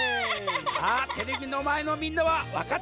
さあテレビのまえのみんなはわかったかな？